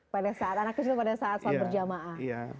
pada saat anak kecil pada saat sholat berjamaah